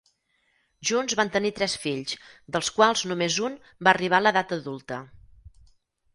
Junts van tenir tres fills, dels quals només un va arribar a l'edat adulta.